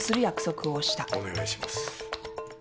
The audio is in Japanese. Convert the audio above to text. お願いします